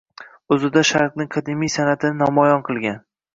O‘zida Sharqning qadimiy san’atini namoyon qilgan.